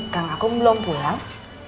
kang aku belum pulang